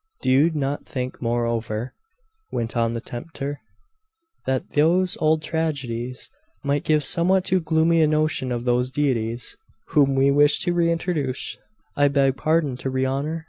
'Do you not think, moreover,' went on the tempter, 'that those old tragedies might give somewhat too gloomy a notion of those deities whom we wish to reintroduce I beg pardon, to rehonour?